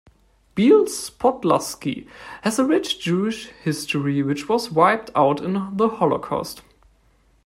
Bielsk Podlaski has a rich Jewish history which was wiped out in the Holocaust.